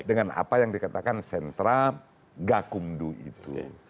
dengan apa yang dikatakan sentra gakumdu itu